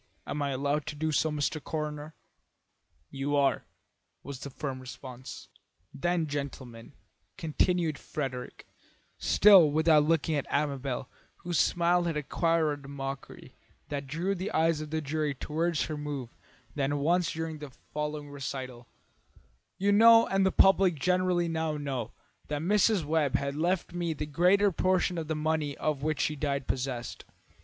Am I allowed to do so, Mr. Coroner?" "You are," was the firm response. "Then, gentlemen," continued Frederick, still without looking at Amabel, whose smile had acquired a mockery that drew the eyes of the jury toward her more than once during the following recital, "you know, and the public generally now know, that Mrs. Webb has left me the greater portion of the money of which she died possessed.